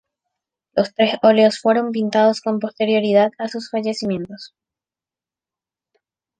Los tres óleos fueron pintados con posterioridad a sus fallecimientos.